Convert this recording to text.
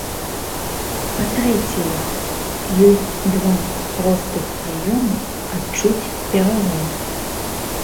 Па-трэцяе, ёсць два простых прыёмы адчуць пералом.